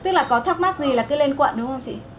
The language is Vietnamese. tức là có thắc mắc gì là cứ lên quận đúng không chị